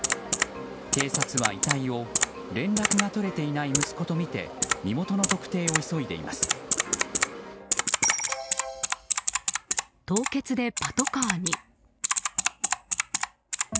警察は遺体を連絡が取れていない息子とみて身元の特定を急いでいます。